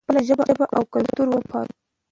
خپله ژبه او کلتور وپالو.